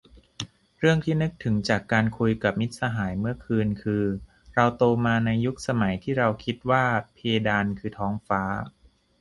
เรื่องที่นึกถึงจากการคุยกับมิตรสหายเมื่อคืนคือ เราโตมาในยุคสมัยที่เราคิดว่าเพดานคือท้องฟ้า